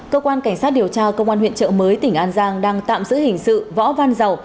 cơ quan cảnh sát điều tra công an huyện trợ mới tỉnh an giang đang tạm giữ hình sự võ văn dầu